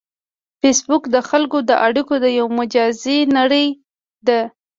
فېسبوک د خلکو د اړیکو یو مجازی نړۍ ده